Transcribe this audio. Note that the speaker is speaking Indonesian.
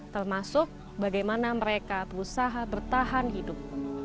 termasuk bagaimana mereka berusaha bertahan hidup